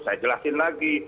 saya jelasin lagi